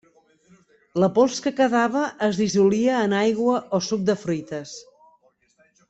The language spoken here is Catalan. La pols que quedava es dissolia en aigua o suc de fruites.